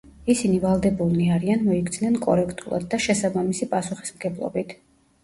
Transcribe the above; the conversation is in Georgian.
ისინი ვალდებულნი არიან მოიქცნენ კორექტულად და შესაბამისი პასუხისმგებლობით.